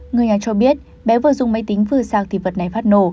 người nhà cho biết bé vừa dùng máy tính vừa sang thì vật này phát nổ